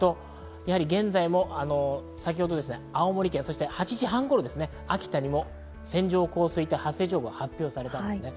現在も先ほど青森県、８時半頃は秋田にも線状降水帯発生情報が発表されました。